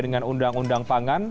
dengan undang undang pangan